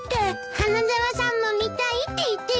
花沢さんも見たいって言ってるです。